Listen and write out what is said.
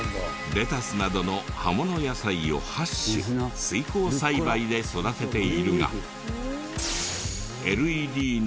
レタスなどの葉物野菜を８種水耕栽培で育てているが。